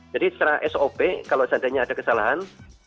jadi secara sob kalau seandainya ada kesalahan